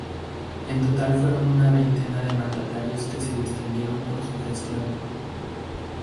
En total fueron una veintena de mandatarios que se distinguieron por su gestión.